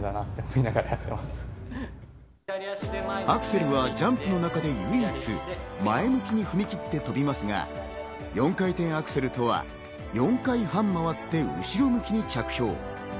アクセルはジャンプの中で唯一、前向きに踏み切って跳びますが、４回転アクセルとは４回半回って、後ろ向きに着氷。